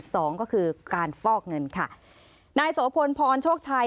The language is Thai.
สองก็คือการฟอกเงินค่ะนายโสพลพรโชคชัย